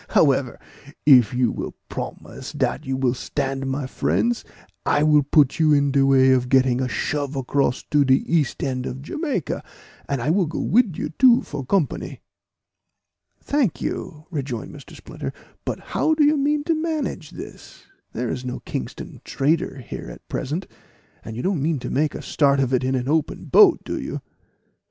"However, if you will promise dat you will stand my friends, I will put you in de way of getting a shove across to de east end of Jamaica; and I will go wid you too, for company." "Thank you," rejoined Mr. Splinter; "but how do you mean to manage this? There is no Kingston trader here at present, and you don't mean to make a start of it in an open boat, do you?"